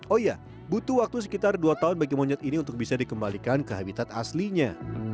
oh iya butuh waktu sekitar dua tahun bagi monyet ini untuk bisa dikembalikan ke habitat aslinya